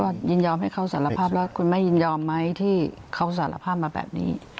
ก็ยินยอมให้เขาสารภาพแล้วคุณแม่ยินยอมไหมที่เขาสารภาพมาแบบนี้